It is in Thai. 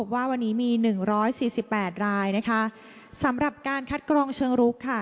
ว่าวันนี้มี๑๔๘รายนะคะสำหรับการคัดกรองเชิงรุกค่ะ